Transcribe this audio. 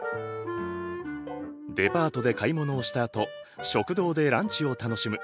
デパートで買い物をしたあと食堂でランチを楽しむ。